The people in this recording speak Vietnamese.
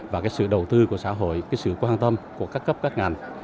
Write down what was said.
và cái sự đầu tư của xã hội cái sự quan tâm của các cấp các ngành